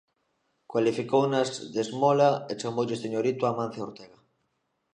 Cualificounas de esmola e chamoulle 'señorito' a Amancio Ortega.